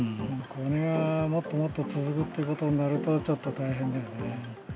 これがもっともっと続くっていうことになると、ちょっと大変だよ